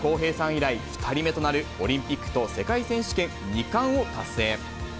以来２人目となるオリンピックと世界選手権２冠を達成。